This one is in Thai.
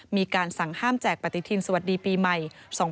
มีการสั่งห้ามแจกปฏิทินสวัสดีปีใหม่๒๕๖